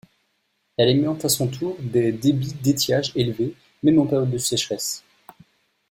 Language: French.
Elle alimente à son tour des débits d'étiage élevés, même en période de sécheresse.